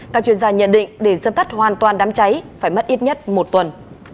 các chuyên gia nhận định để dập tắt hoàn toàn đám cháy phải mất ít nhất một tuần